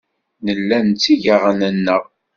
Nella netteg aɣan-nneɣ.